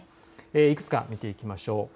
いくつか見ていきましょう。